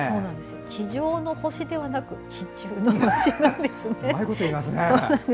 「地上の星」ではなく「地中の星」なんですね。